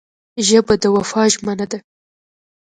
ژبه د وفا ژمنه ده